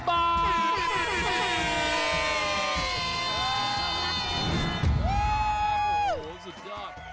โหสุดยอด